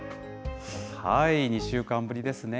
２週間ぶりですね。